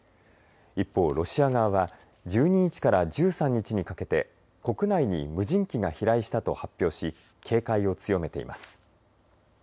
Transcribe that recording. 一方、ロシア側は１２日から１３日にかけて国内に無人機が飛来したと発表し警戒を強めています。